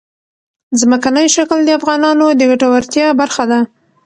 ځمکنی شکل د افغانانو د ګټورتیا برخه ده.